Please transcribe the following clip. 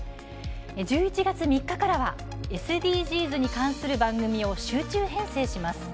１１月３日からはＳＤＧｓに関する番組を集中編成します。